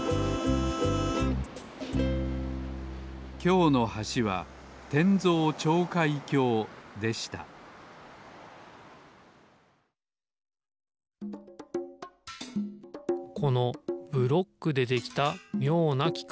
きょうの橋は転造跳開橋でしたこのブロックでできたみょうなきかい。